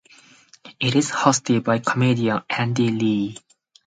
It is hosted by comedian Andy Lee.